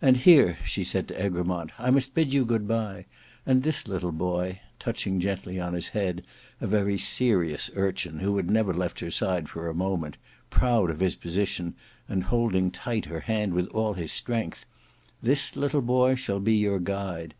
"And here," she said to Egremont, "I must bid you good bye; and this little boy," touching gently on his head a very serious urchin who had never left her side for a moment, proud of his position, and holding tight her hand with all his strength, "this little boy shall be your guide.